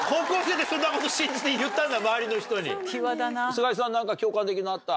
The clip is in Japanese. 菅井さん何か共感できるのあった？